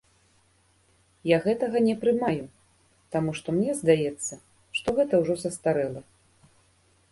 Я гэтага не прымаю, таму што мне здаецца, што гэта ўжо састарэла.